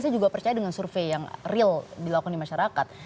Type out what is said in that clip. saya juga percaya dengan survei yang real dilakukan di masyarakat